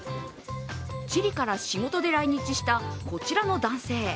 ちりから仕事で来日した、こちらの男性。